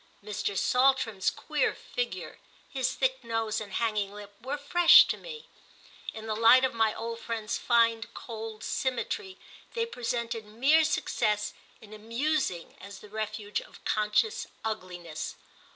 Mr. Saltram's queer figure, his thick nose and hanging lip, were fresh to me: in the light of my old friend's fine cold symmetry they presented mere success in amusing as the refuge of conscious ugliness.